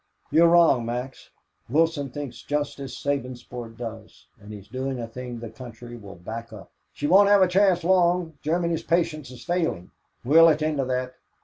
"You're wrong, Max. Wilson thinks just as Sabinsport does and he's doing a thing the country will back up." "They won't have a chance long. Germany's patience is failing. We'll attend to that.